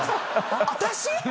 「私⁉」